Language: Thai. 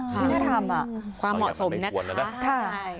ไม่น่าทำความเหมาะสมนะคะค่ะ